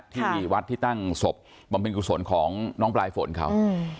ที่วัดที่ตั้งศพบำเพ็ญกุศลของน้องปลายฝนเขา